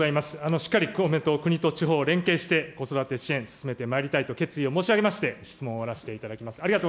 しっかり公明党、国と地方、連携をして、子育て支援、進めてまいりたいと決意を申し上げまして、質問を終わらせていただきます。